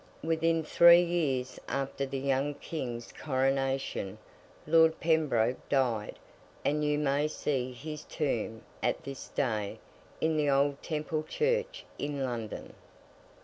Within three years after the young King's Coronation, Lord Pembroke died; and you may see his tomb, at this day, in the old Temple Church in London.